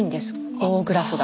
棒グラフが。